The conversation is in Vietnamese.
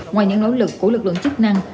ngoài những nỗ lực của lực lượng chức năng